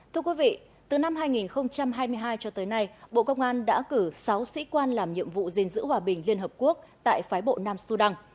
thưa quý vị từ năm hai nghìn hai mươi hai cho tới nay bộ công an đã cử sáu sĩ quan làm nhiệm vụ gìn giữ hòa bình liên hợp quốc tại phái bộ nam sudan